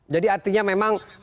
jadi artinya memang